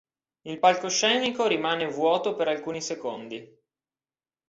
Il palcoscenico rimane vuoto per alcuni secondi.